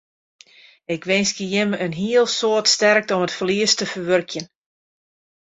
Ik winskje jimme in heel soad sterkte om it ferlies te ferwurkjen.